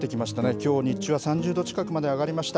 きょう日中は３０度近くまで上がりました。